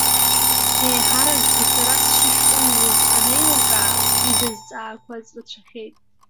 Еиҳаракгьы сара сшышәҟәыҩҩыз анеилыркаа, изазҵаақәаз рацәахеит.